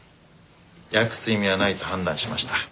訳す意味はないと判断しました。